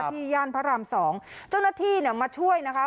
ย่านพระรามสองเจ้าหน้าที่เนี่ยมาช่วยนะคะ